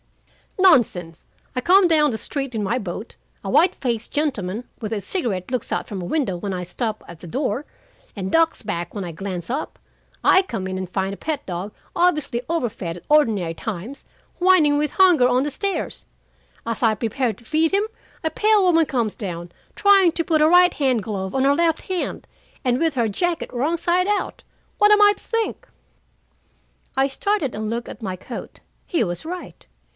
"Nonsense. I come down the street in my boat. A white faced gentleman with a cigarette looks out from a window when I stop at the door, and ducks back when I glance up. I come in and find a pet dog, obviously overfed at ordinary times, whining with hunger on the stairs. As I prepare to feed him, a pale woman comes down, trying to put a right hand glove on her left hand, and with her jacket wrong side out. What am I to think?" I started and looked at my coat. He was right.